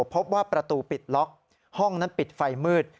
พบว่าประตูปิดล็อกห้องนั้นปิดไฟมืด